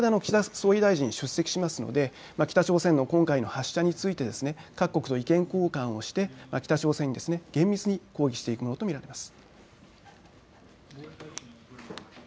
そこで岸田総理大臣、出席しますので北朝鮮の今回の発射について各国と意見交換をして北朝鮮に緊密に抗議していくものと見られます。